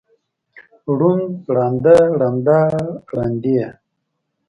ړوند، ړانده، ړنده، ړندې.